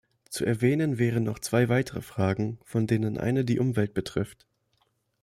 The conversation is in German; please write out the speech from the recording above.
Zu erwähnen wären noch zwei weitere Fragen, von denen eine die Umwelt betrifft.